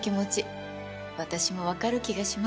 私も分かる気がします。